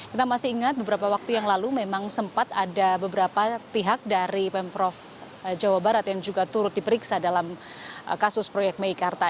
kita masih ingat beberapa waktu yang lalu memang sempat ada beberapa pihak dari pemprov jawa barat yang juga turut diperiksa dalam kasus proyek meikarta